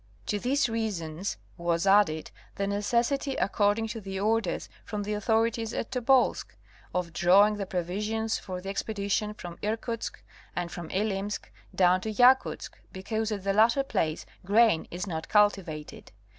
To these reasons [was added] the necessity, according to the orders from the authorities at Tobolsk, of drawing the provisions for the expedition from Irkutsk and from [limsk down to Yakutsk because at the latter place grain is not cultivated.